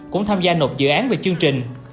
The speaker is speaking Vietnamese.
cũng tham gia nộp dự án về chương trình